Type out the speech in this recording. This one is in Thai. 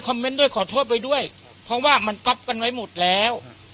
เมนต์ด้วยขอโทษไว้ด้วยเพราะว่ามันก๊อปกันไว้หมดแล้ว